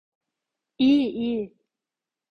İyi, iyi.